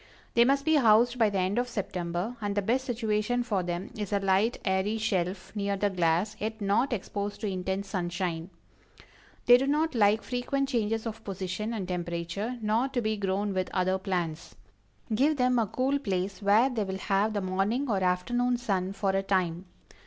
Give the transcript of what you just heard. They must be housed by the end of September, and the best situation for them is a light, airy shelf near the glass, yet not exposed to intense sunshine. They do not like frequent changes of position and temperature, nor to be grown with other plants. Give them a cool place where they will have the morning or afternoon sun for a time.